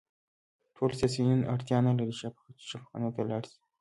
ټول سیاسیون اړتیا نلري چې شفاخانو ته لاړ شي